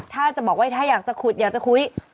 ถ้าจะบอกว่าถ้าอยากจะขุดอยากจะคุย